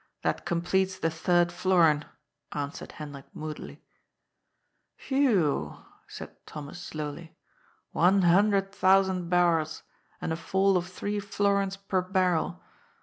That completes the third florin," answered Hendrik moodily. " Whew I " said Thomas slowly. " One hundred thou sand barrels, and a fall of three florins per barrel